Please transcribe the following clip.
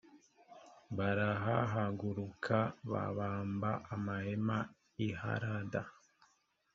barahahaguruka babamba amahema i harada